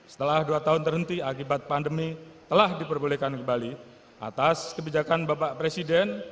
setelah dua tahun terhenti akibat pandemi telah diperbolehkan kembali atas kebijakan bapak presiden